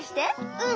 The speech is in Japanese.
うん！